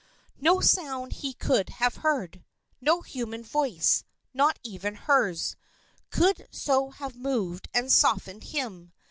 No sound he could have heard, no human voice, not even hers, could so have moved and softened him.